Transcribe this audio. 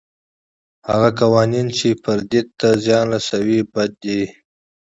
هغه قوانین چې فردیت ته زیان رسوي بد دي.